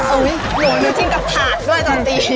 โหยหนูชินกับถาดด้วยตั้งนี้